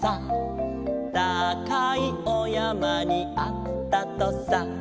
「たかいおやまにあったとさ」